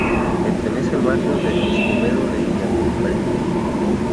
Pertenece al barrio de Escobedo de Villafufre.